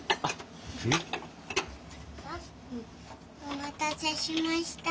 お待たせしました。